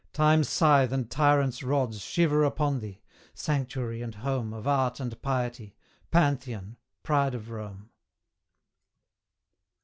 Time's scythe and tyrants' rods Shiver upon thee sanctuary and home Of art and piety Pantheon! pride of Rome!